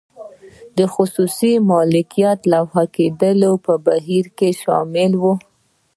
د خصوصي مالکیت لغوه کول په بهیر کې شامل و.